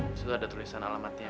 disitu ada tulisan alamatnya